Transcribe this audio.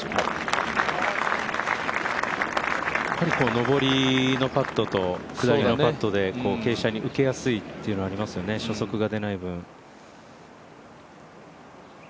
上りのパットと下りのパットで傾斜に受けやすいというのがありますよね、初速が出ない分。